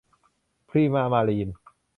พริมา มารีน